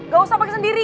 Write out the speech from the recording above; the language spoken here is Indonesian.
gak usah pake sendiri